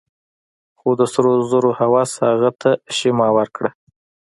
خو د سرو زرو هوس هغه ته شيمه ورکړه.